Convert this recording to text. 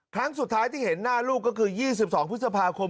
ครั้งสุดท้ายที่เห็นหน้าลูกก็คือ๒๒พฤษภาคม